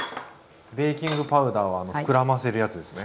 ベーキングパウダーは膨らませるやつですね。